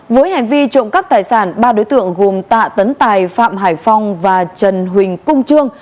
với hành vi trộm cắp tài sản ba đối tượng gồm tạ tấn tài phạm hải phong và trần huỳnh cung trương